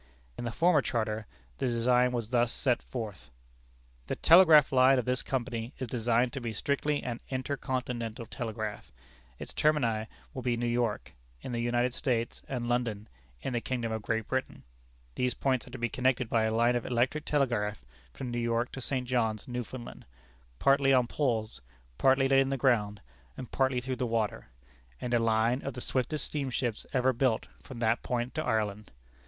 In the former charter, the design was thus set forth: "The telegraph line of this company is designed to be strictly an 'Inter Continental Telegraph.' Its termini will be New York, in the United States, and London, in the kingdom of Great Britain; these points are to be connected by a line of electric telegraph from New York to St. John's, Newfoundland, partly on poles, partly laid in the ground, and partly through the water, and a line of the swiftest steamships ever built from that point to Ireland.